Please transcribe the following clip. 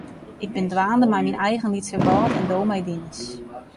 Ik bin dwaande mei myn eigen lytse wrâld en do mei dines.